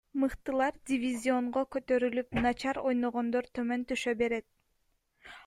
Мыктылар дивизионго көтөрүлүп, начар ойногондор төмөн түшө берет.